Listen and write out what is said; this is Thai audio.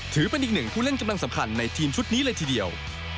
ถือเป็นอีกหนึ่งผู้เล่นกำลังสำคัญในทีมชุดนี้เลยทีเดียว